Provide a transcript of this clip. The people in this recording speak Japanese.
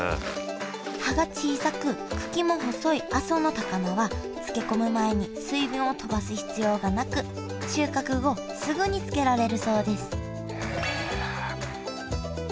葉が小さく茎も細い阿蘇の高菜は漬け込む前に水分をとばす必要がなく収穫後すぐに漬けられるそうです